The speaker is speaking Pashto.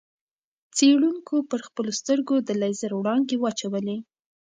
څېړونکو پر خپلو سترګو د لېزر وړانګې واچولې.